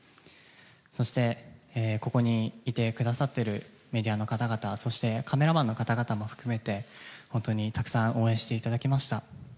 そしてここにいてくださっているメディアの方々そしてカメラマンの方々も含めて本当にたくさん応援していただきました。